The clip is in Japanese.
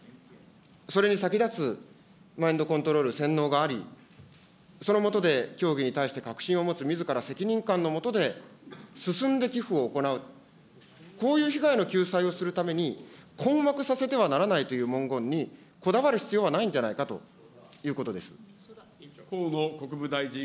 それに先立つマインドコントロール、洗脳があり、その下で教義に対して確信を持つみずから責任感の下で進んで寄付を行う、こういう被害の救済をするために困惑させてはならないという文言にこだわる必要はないんじゃないかということです。